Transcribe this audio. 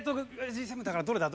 Ｇ７だからどれだ？